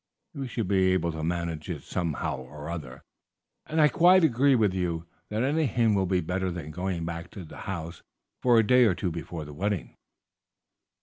We shall be able to manage it somehow or other, and I quite agree with you that anything will be better than going back to the house for a day or two before the wedding."